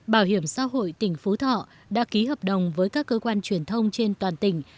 bảo hiểm xã hội tỉnh phú thọ đã ký hợp đồng với các cơ quan truyền thông trên toàn tỉnh